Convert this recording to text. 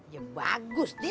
ya bagus deh